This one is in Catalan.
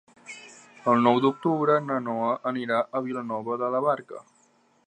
El nou d'octubre na Noa anirà a Vilanova de la Barca.